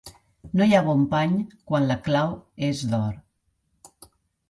No hi ha bon pany quan la clau és d'or.